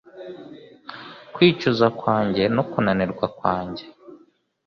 kwicuza kwanjye no kunanirwa kwanjye